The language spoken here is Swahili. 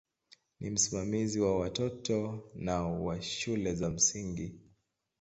Ni msimamizi wa watoto na wa shule za msingi.